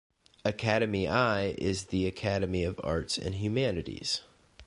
Academy I is the Academy of Arts and Humanities.